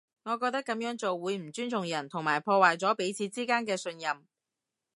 我覺得噉樣做會唔尊重人，同埋破壞咗彼此之間嘅信任